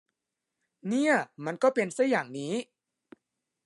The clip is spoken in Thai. เนี่ย มันก็เป็นซะอย่างนี้